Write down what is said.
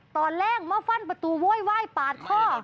ตอนแรกมาฟันประตูโวยวายปาดคอ